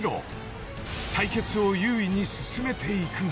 ［対決を優位に進めていくが］